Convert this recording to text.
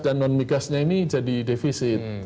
dan non migasnya ini jadi defisit